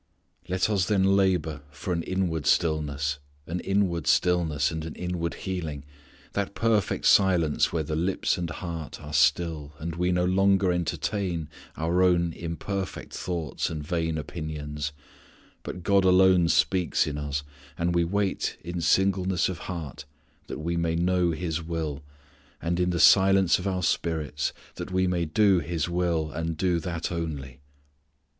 "Let us then labour for an inward stillness An inward stillness and an inward healing; That perfect silence where the lips and heart Are still, and we no longer entertain Our own imperfect thoughts and vain opinions, But God alone speaks in us, and we wait In singleness of heart, that we may know His will, and in the silence of our spirits, That we may do His will, and do that only."